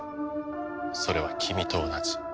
それは君と同じ。